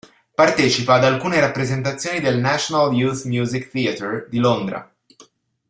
Partecipa ad alcune rappresentazioni del National Youth Music Theater di Londra.